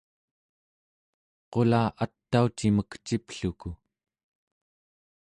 qula ataucimek cipluku